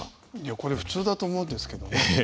これ普通だと思うんですけど。